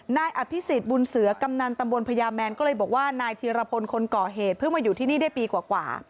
นายอภิษฎบุญเสือกำนันตำบลพญาแมนก็เลยบอกว่านายธีรพลคนก่อเหตุเพิ่งมาอยู่ที่นี่ได้ปีกว่า